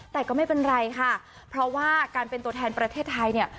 แต่ก็ไม่เป็นไรค่ะเพราะว่าการเป็นตัวแทนประเทศไทยเนี่ย